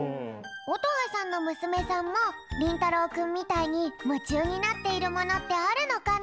乙葉さんのむすめさんもりんたろうくんみたいにむちゅうになっているものってあるのかな？